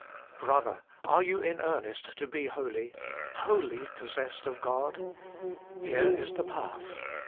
Brother ! are you in earnest to be holy ? wholly possessed of God ? Here is the path.